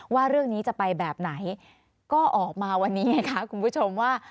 ว่าเรื่องนี้จะไปแบบไหนก็ออกมาวันนี้ไงคะคุณผู้ชมว่า